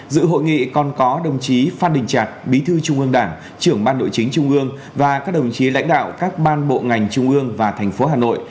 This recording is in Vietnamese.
dự hội nghị còn có đồng chí phát đình trạc bí thư trung ương đảng trưởng ban nội chính trung ương và các đồng chí lãnh đạo các ban bộ ngành trung ương và thành phố hà nội